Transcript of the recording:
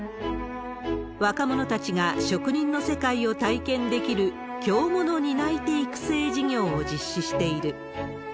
若者たちが職人の世界を体験できる、京もの担い手育成事業を実施している。